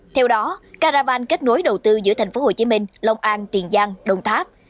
theo đó caravan kết nối đầu tư giữa thành phố hồ chí minh lòng an tiền giang đồng tháp